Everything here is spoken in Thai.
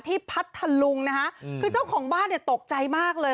พัทธลุงนะคะคือเจ้าของบ้านเนี่ยตกใจมากเลย